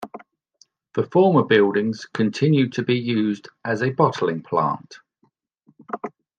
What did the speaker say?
The former buildings continued to be used as a bottling plant.